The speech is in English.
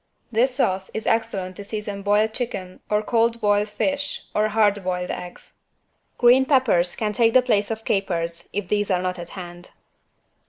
This sauce is excellent to season boiled chicken or cold boiled fish or hard boiled eggs. Green Peppers can take the place of capers, if these are not at hand.